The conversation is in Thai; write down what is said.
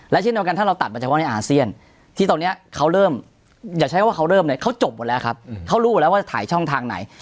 และเช่นเดี๋ยวกันถ้าเราตัดประจำว่าในอาเซียนที่ตอนนี้เขาเริ่มอย่าใช้ว่าเขาเริ่มเลยเขาจบหมดเร้อครับเขารู้แล้วว่าถ่ายช่องทางไหน